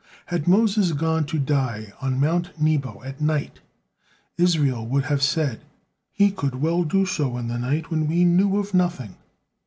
Had Moses gone to die on Mount Nebo at night, Israel would have said: "He could well do so in the night when we knew of nothing.